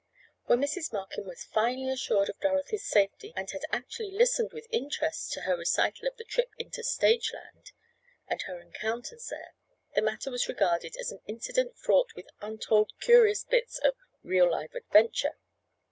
When Mrs. Markin was finally assured of Dorothy's safety, and had actually listened with interest to her recital of the trip into stageland, and her encounters there, the matter was regarded as an incident fraught with untold curious bits of "real live adventure."